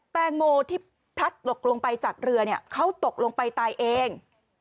แตงโมที่พลัดตกลงไปจากเรือเนี่ยเขาตกลงไปตายเอง